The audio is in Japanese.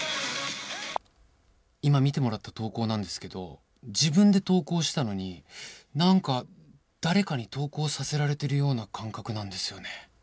今見てもらった投稿なんですけど自分で投稿したのになんか誰かに投稿させられてるような感覚なんですよね。